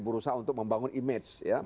berusaha untuk membangun image